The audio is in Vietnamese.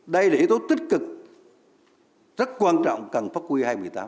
đây là yếu tố tích cực rất quan trọng cần phát quy hai mươi tám